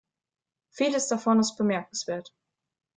Vieles davon ist bemerkenswert.